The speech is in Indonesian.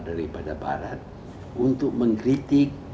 dari barat untuk mengkritik